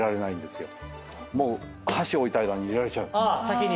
もう箸置いた間に入れられちゃう。